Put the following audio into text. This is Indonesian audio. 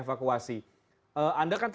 pemerintah untuk melakukan evakuasi